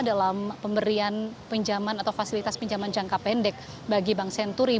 dalam pemberian pinjaman atau fasilitas pinjaman jangka pendek bagi bank senturi